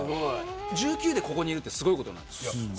１９歳でここにいるってすごいことなんですか。